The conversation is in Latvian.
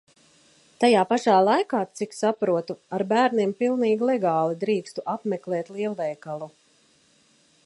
Tajā pašā laikā, cik saprotu, ar bērniem pilnīgi legāli drīkstu apmeklēt lielveikalu.